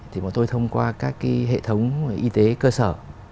thì bọn tôi thông qua các hệ thống y tế cơ sở